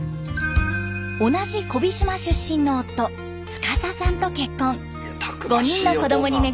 同じ小飛島出身の夫司さんと結婚。